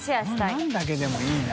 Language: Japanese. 海ナンだけでもいいな。